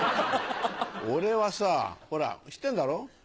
俺はさあ、ほら、知ってんだろ？